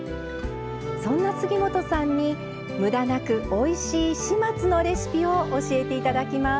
そんな杉本さんにむだなくおいしい始末のレシピを教えていただきます。